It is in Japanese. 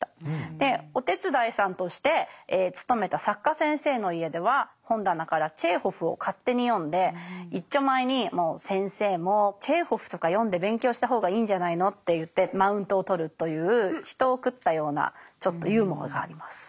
でお手伝いさんとして勤めた作家先生の家では本棚からチェーホフを勝手に読んでいっちょまえに「先生もチェーホフとか読んで勉強した方がいいんじゃないの」って言ってマウントをとるという人を食ったようなちょっとユーモアがあります。